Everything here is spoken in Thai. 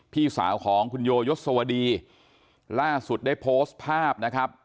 พี่สาวของคุณโยยศวดีล่าสุดได้โพสต์ภาพนะครับ